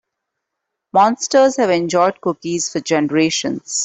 Monsters have enjoyed cookies for generations.